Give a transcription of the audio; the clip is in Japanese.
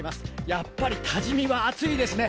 やっぱり多治見は暑いですね。